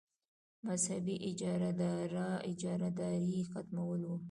مذهبي اجاراداري ختمول وو.